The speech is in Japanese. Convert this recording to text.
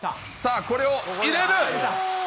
さあ、これを入れる。